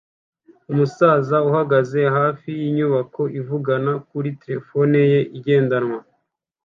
Umusaza uhagaze hafi yinyubako ivugana kuri terefone ye igendanwa